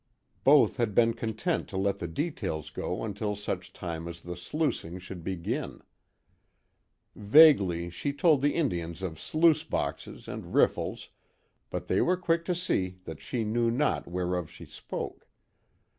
Both had been content to let the details go until such time as the sluicing should begin. Vaguely, she told the Indians of sluice boxes and riffles, but they were quick to see that she knew not whereof she spoke.